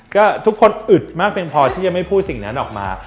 ก็ทุกคนอึดมากเพียงพอที่จะไม่พูดสิ่งนั้นออกมา